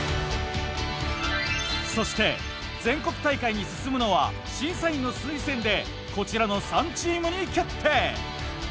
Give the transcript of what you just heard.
そして全国大会に進むのは審査員の推薦でこちらの３チームに決定。